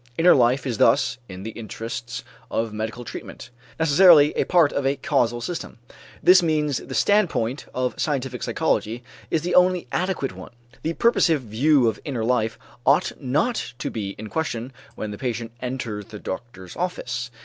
Inner life is thus, in the interests of medical treatment, necessarily a part of a causal system. This means the standpoint of scientific psychology is the only adequate one. The purposive view of inner life ought not to be in question when the patient enters the doctor's office.